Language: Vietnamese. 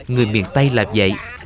người miền tây làm vậy